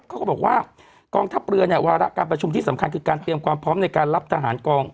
เขาก็บอกว่ากองทัพเรือเนี่ยวาระการประชุมที่สำคัญคือการเตรียมความพร้อมในการรับทหารกอง